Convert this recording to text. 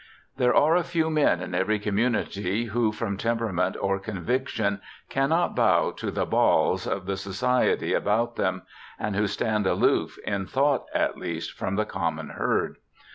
There are a few men in every community who, from temperament or conviction, cannot bow to the Baals of the society about them, and who stand aloof, in thought at least, from the common herd.